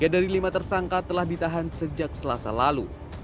tiga dari lima tersangka telah ditahan sejak selasa lalu